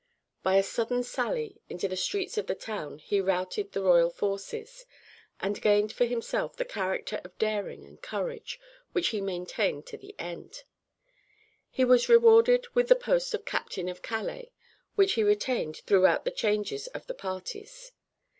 By a sudden sally into the streets of the town he routed the royal forces, and gained for himself that character of daring and courage which he maintained to the end. He was rewarded with the post of Captain of Calais, which he retained throughout the changes of the parties.